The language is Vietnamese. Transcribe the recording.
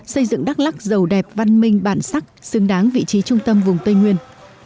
xây dựng đắk lắc giàu đẹp văn minh bản sắc xứng đáng vị trí trung tâm vùng tây nguyên